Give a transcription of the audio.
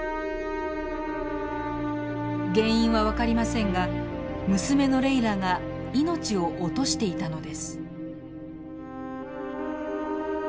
原因は分かりませんが娘のレイラが命を落としていたのです。